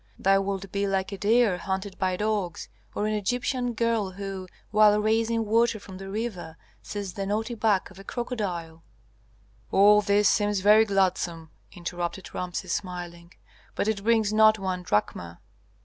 Thou wilt be like a deer hunted by dogs, or an Egyptian girl who, while raising water from the river, sees the knotty back of a crocodile " "All this seems very gladsome," interrupted Rameses, smiling; "but it brings not one drachma."